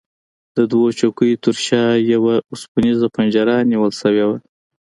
د دوو څوکیو ترشا یوه اوسپنیزه پنجره نیول شوې وه.